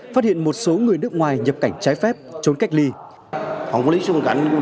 phát hiện một số người nước ngoài nhập cảnh trái phép trốn cách ly phòng quản lý xuất cảnh cũng